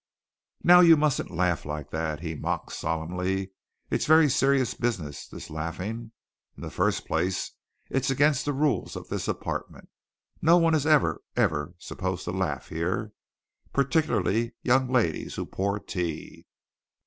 "Now you mustn't laugh like that," he said mock solemnly. "It's very serious business, this laughing. In the first place, it's against the rules of this apartment. No one is ever, ever, ever supposed to laugh here, particularly young ladies who pour tea.